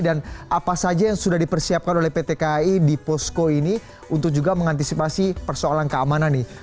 dan apa saja yang sudah dipersiapkan oleh pt kai di posko ini untuk juga mengantisipasi persoalan keamanan nih